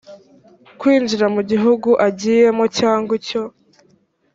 kwinjira mu gihugu agiyemo cyangwa icyo